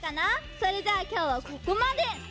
それじゃあきょうはここまで。